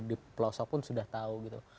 di pelosok pun sudah tahu gitu